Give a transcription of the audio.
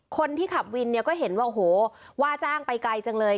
คนที่ขับวินเนี่ยก็เห็นว่าโอ้โหว่าจ้างไปไกลจังเลย